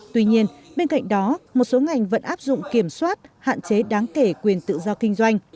tuy nhiên bên cạnh đó một số ngành vẫn áp dụng kiểm soát hạn chế đáng kể quyền tự do kinh doanh